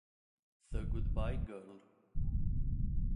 The Goodbye Girl